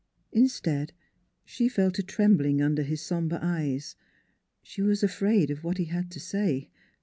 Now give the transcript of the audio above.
Instead, she fell to trembling under his somber eyes. She was afraid of what he had to say.